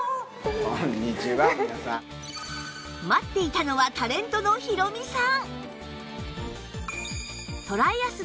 待っていたのはタレントのヒロミさん